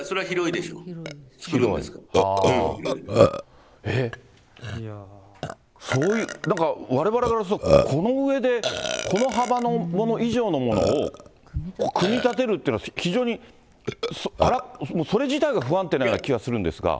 広い？えっ、そういう、われわれはこの上で、この幅のもの以上のものを組み立てるっての非常に、それ自体が不安定なような気がするんですが。